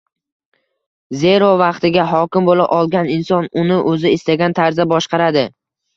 Zero, vaqtiga hokim bo‘la olgan inson uni o‘zi istagan tarzda boshqaradi.